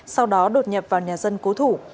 sau đó đột nhập vào nhà dân cố thủ